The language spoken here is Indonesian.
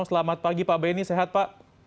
selamat pagi pak benny sehat pak